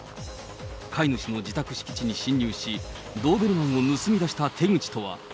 飼い主の自宅敷地に侵入し、ドーベルマンを盗み出した手口とは。